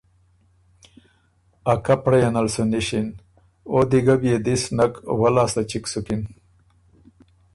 ا کپړئ یه نل سُو نِݭن۔ او دی ګۀ بيې دِس نک، وۀ لاسته چِګ سُکِن